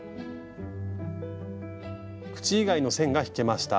口以外の線が引けました。